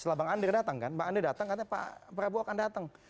setelah bang ander datang kan pak ander datang katanya pak prabowo akan datang